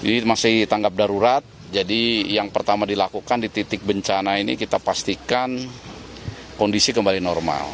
ini masih tanggap darurat jadi yang pertama dilakukan di titik bencana ini kita pastikan kondisi kembali normal